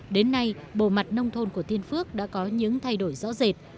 đến nay bộ mặt nông thôn của thiên phước đã có những thay đổi rõ rệt